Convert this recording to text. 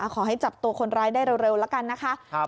ขอให้จับตัวคนร้ายได้เร็วแล้วกันนะคะ